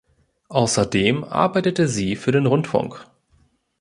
Außerdem arbeitete sie für den Rundfunk.